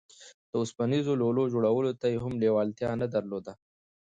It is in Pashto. اوسپنيزو لولو جوړولو ته يې هم لېوالتيا نه درلوده.